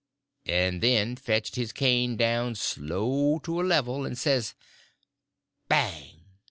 and then fetched his cane down slow to a level, and says "Bang!"